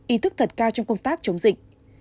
ý thức thật cao trong công tác chống dịch